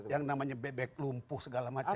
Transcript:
yang namanya bebek lumpuh segala macam